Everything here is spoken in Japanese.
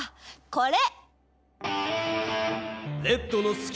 これ！